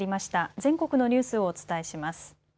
全国のニュースをお伝えします。